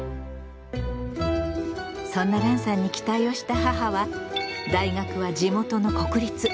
そんなランさんに期待をした母は「大学は地元の国立。